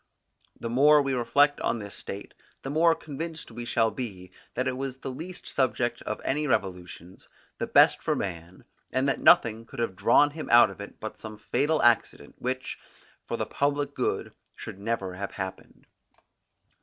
The more we reflect on this state, the more convinced we shall be, that it was the least subject of any to revolutions, the best for man, and that nothing could have drawn him out of it but some fatal accident, which, for the public good, should never have happened.